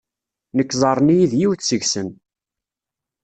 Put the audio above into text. Nekk ẓerren-iyi d yiwet seg-sen.